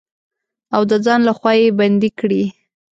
او د ځان لخوا يې بندې کړي.